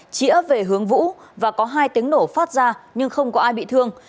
chỉ ấp về hướng vũ và có hai tiếng nổ phát ra nhưng không có ai bị thương